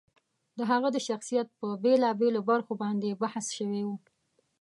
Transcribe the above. د هغه د شخصیت په بېلا بېلو برخو باندې بحث شوی و.